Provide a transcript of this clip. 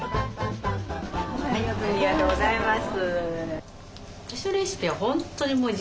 ありがとうございます。